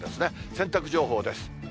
洗濯情報です。